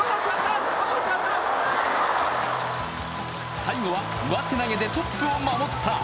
最後は上手投げでトップを守った。